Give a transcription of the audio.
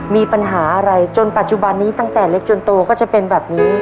มีปัญหาอะไรจนปัจจุบันนี้ตั้งแต่เล็กจนโตก็จะเป็นแบบนี้